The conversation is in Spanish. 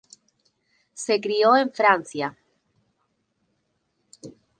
Se crio en Francia.